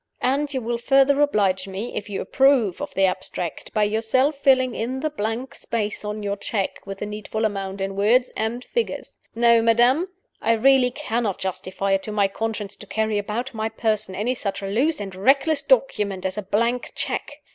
And you will further oblige me, if you approve of the abstract, by yourself filling in the blank space on your check with the needful amount in words and figures. No, madam! I really cannot justify it to my conscience to carry about my person any such loose and reckless document as a blank check.